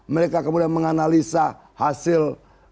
mereka kemudian menganalisa hasil